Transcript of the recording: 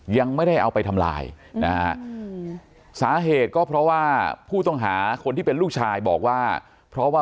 ยังไม่ได้เอาไปทำลายนะฮะสาเหตุก็เพราะว่าผู้ต้องหาคนที่เป็นลูกชายบอกว่าเพราะว่า